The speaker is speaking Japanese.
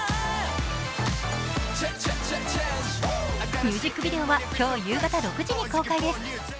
ミュージックビデオは今日夕方６時に公開です。